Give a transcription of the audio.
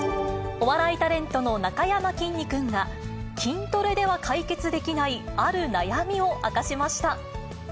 お笑いタレントのなかやまきんに君が、筋トレでは解決できないある悩みを明かしました。